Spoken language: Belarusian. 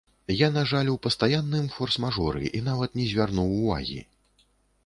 Я, на жаль, у пастаянным форс-мажоры, і нават не звярнуў увагі.